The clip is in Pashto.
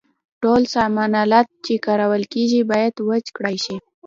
ټول سامان آلات چې کارول کیږي باید وچ کړای شي.